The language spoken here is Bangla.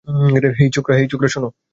হেই ছোকরা, শোন।